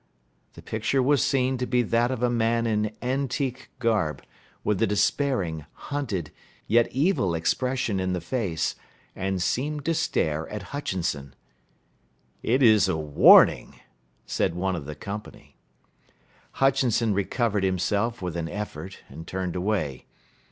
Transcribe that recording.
The picture was seen to be that of a man in antique garb, with a despairing, hunted, yet evil expression in the face, and seemed to stare at Hutchinson. "It is a warning," said one of the company. Hutchinson recovered himself with an effort and turned away.